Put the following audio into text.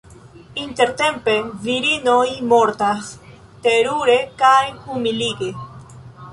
Intertempe virinoj mortas terure kaj humilige.